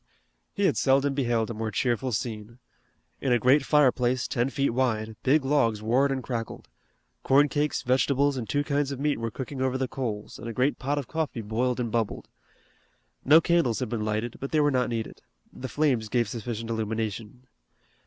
He had seldom beheld a more cheerful scene. In a great fireplace ten feet wide big logs roared and crackled. Corn cakes, vegetables, and two kinds of meat were cooking over the coals and a great pot of coffee boiled and bubbled. No candles had been lighted, but they were not needed. The flames gave sufficient illumination.